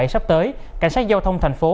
sắp tới cảnh sát giao thông thành phố